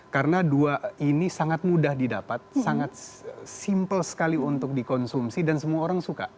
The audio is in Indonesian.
karena dua ini sangat mudah didapat sangat simple sekali untuk dikonsumsi dan semua orang suka